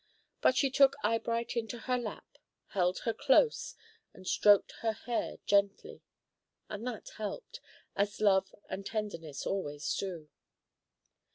But she took Eyebright into her lap, held her close, and stroked her hair gently; and that helped, as love and tenderness always do.